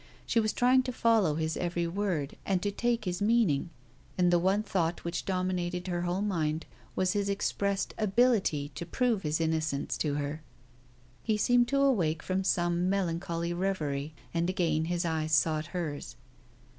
She was trying to follow his every word and to take his meaning, and the one thought which dominated her whole mind was his expressed ability to prove his innocence to her. He seemed to awake from some melancholy reverie, and again his eyes sought hers.